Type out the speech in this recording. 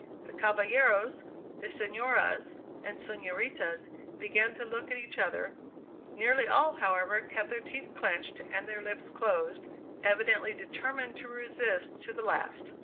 The caballeros, the senoras and senoritas began to look at each other; nearly all, however, kept their teeth clenched and their lips closed, evidently determined to resist to the last.